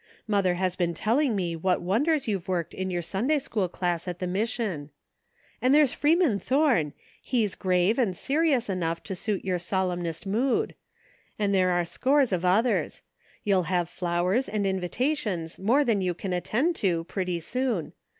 Mother has been telling me what wonders you've worked in yoiu Sunday School class at the mission. And there's Freeman Thome, 158 THE FINDING OF JASPER HOLT he's grave and serious enough to suit your solemnest mood; and there are scores of others. You'll have flowers and invitations, more than you can attend to, pretty soon.